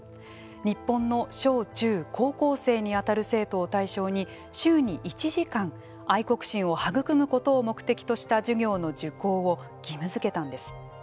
日本の小中高校生にあたる生徒を対象に週に１時間愛国心を育むことを目的とした授業の受講を義務づけたんです。